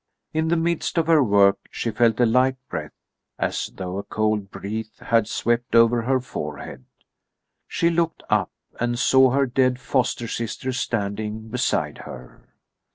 In the midst of her work she felt a light breath, as though a cold breeze had swept over her forehead. She looked up and saw her dead foster sister standing beside her.